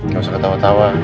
gak usah ketawa tawa